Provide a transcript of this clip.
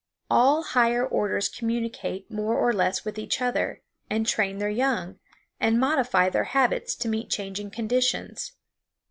All higher orders communicate more or less with each other, and train their young, and modify their habits to meet changing conditions.